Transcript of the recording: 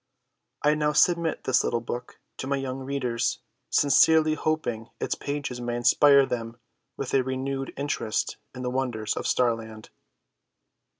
I now submit this little book to my young readers, sincerely hoping its pages may inspire them with a renewed interest in the wonders of Starland.